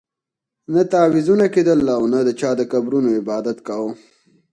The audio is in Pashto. نه تعویذونه کېدل او نه چا د قبرونو عبادت کاوه.